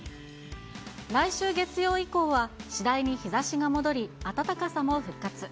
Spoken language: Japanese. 来週月曜以降は、次第に日ざしが戻り、暖かさも復活。